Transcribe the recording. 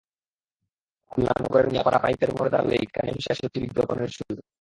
খুলনা নগরের মিয়াপাড়া পাইপের মোড়ে দাঁড়ালেই কানে ভেসে আসে একটি বিজ্ঞাপনের সুর।